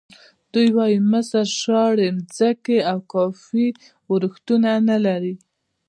دوی وایي مصر شاړې ځمکې او کافي ورښتونه نه لري.